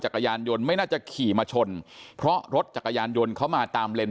จักรยานยนต์ไม่น่าจะขี่มาชนเพราะรถจักรยานยนต์เขามาตามเลน